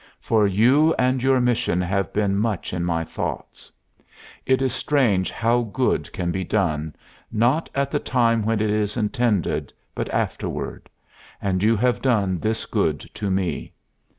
For you and your mission have been much in my thoughts. It is strange how good can be done, not at the time when it is intended, but afterward; and you have done this good to me.